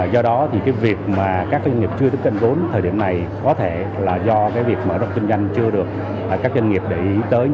do đó thì cái việc mà các doanh nghiệp chưa tính vốn thời điểm này có thể là do cái việc mở rộng kinh doanh chưa được các doanh nghiệp để ý tới